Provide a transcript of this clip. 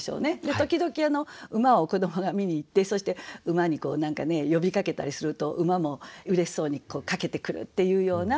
時々馬を子どもが見に行ってそして馬に何かね呼びかけたりすると馬もうれしそうに駆けてくるっていうような。